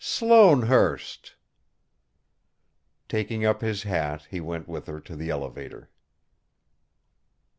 "Sloanehurst!" Taking up his hat, he went with her to the elevator.